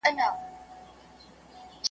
له غړومبي چي وېرېدلی وو پښېمان سو .